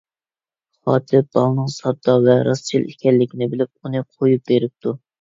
خاتىپ بالىنىڭ ساددا ۋە راستچىل ئىكەنلىكىنى بىلىپ ئۇنى قويۇپ بېرىپتۇ.